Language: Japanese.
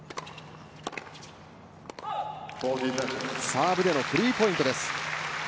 サーブでのポイントです。